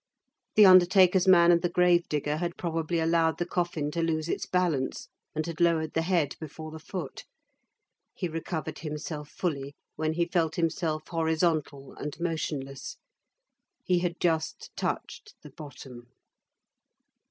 The undertaker's man and the grave digger had probably allowed the coffin to lose its balance, and had lowered the head before the foot. He recovered himself fully when he felt himself horizontal and motionless. He had just touched the bottom.